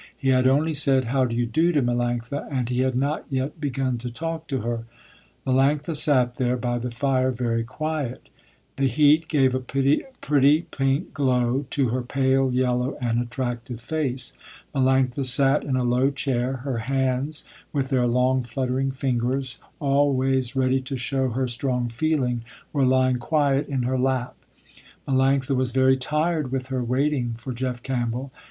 He had only said "How do you do" to Melanctha, he had not yet begun to talk to her. Melanctha sat there, by the fire, very quiet. The heat gave a pretty pink glow to her pale yellow and attractive face. Melanctha sat in a low chair, her hands, with their long, fluttering fingers, always ready to show her strong feeling, were lying quiet in her lap. Melanctha was very tired with her waiting for Jeff Campbell.